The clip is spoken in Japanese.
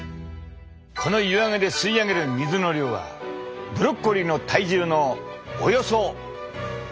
この湯揚げで吸い上げる水の量はブロッコリーの体重のおよそ１０分の１！